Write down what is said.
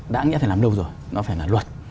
đã nghĩa phải làm đâu rồi nó phải là luật